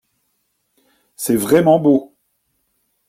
C’est vraiment beau.